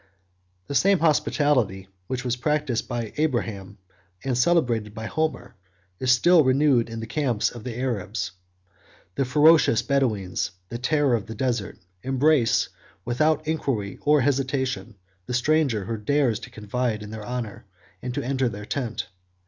42 The same hospitality, which was practised by Abraham, and celebrated by Homer, is still renewed in the camps of the Arabs. The ferocious Bedoweens, the terror of the desert, embrace, without inquiry or hesitation, the stranger who dares to confide in their honor and to enter their tent.